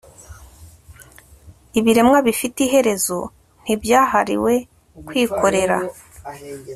Ibiremwa bifite iherezo ntibyahariwe kwikorera